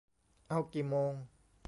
เอากี่โมง ?